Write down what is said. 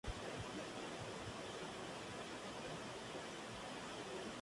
Colineales: los denominados colineales son aquellos contenidos en una recta.